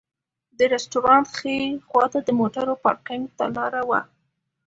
د رسټورانټ ښي خواته د موټرو پارکېنګ ته لاره وه.